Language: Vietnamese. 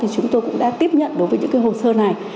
chúng tôi cũng đã tiếp nhận đối với những hồ sơ này